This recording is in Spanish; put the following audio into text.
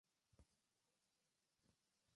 Fue allí donde primero se hizo amigo de Nick Lachey.